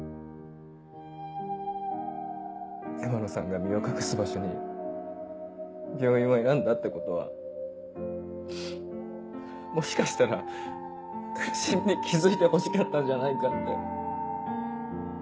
山野さんが身を隠す場所に病院を選んだってことはもしかしたら苦しみに気付いてほしかったんじゃないかって。